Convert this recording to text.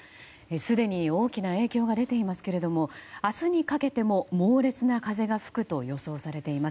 すでに大きな影響が出ていますが明日にかけても猛烈な風が吹くと予想されています。